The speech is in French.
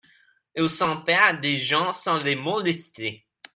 Il s'empare des gens sans les molester.